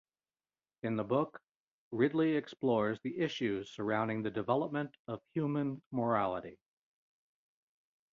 In the book, Ridley explores the issues surrounding the development of human morality.